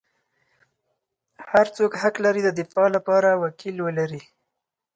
هر څوک حق لري د دفاع لپاره وکیل ولري.